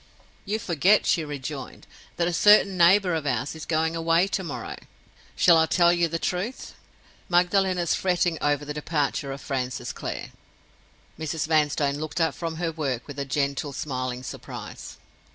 "You forget," she rejoined, "that a certain neighbor of ours is going away to morrow. Shall I tell you the truth? Magdalen is fretting over the departure of Francis Clare." Mrs. Vanstone looked up from her work with a gentle, smiling surprise.